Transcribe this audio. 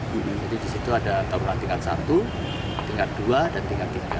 jadi di situ ada taruna tingkat satu tingkat dua dan tingkat tiga